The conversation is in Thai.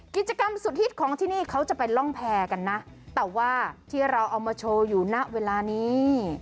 กิจกรรมสุดฮิตของที่นี่เขาจะเป็นร่องแพร่กันนะแต่ว่าที่เราเอามาโชว์อยู่ณเวลานี้